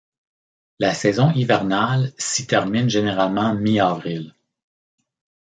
La saison hivernale s'y termine généralement mi-avril.